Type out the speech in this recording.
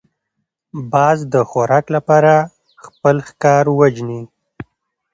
باز د خوراک لپاره خپل ښکار وژني